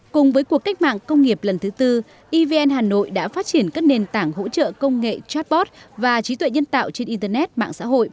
cùng với cuộc cách mạng công nghiệp lần thứ tư evn hà nội đã phát triển các nền tảng hỗ trợ công nghệ chatbot và trí tuệ nhân tạo trên internet mạng xã hội